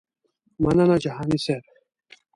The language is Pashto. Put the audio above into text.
مننه جهاني صیب.